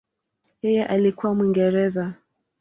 Yeye alikuwa Mwingereza.